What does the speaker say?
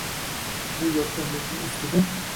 Bu yotgan mulkning ustida